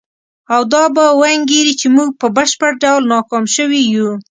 او دا به وانګیري چې موږ په بشپړ ډول ناکام شوي یو.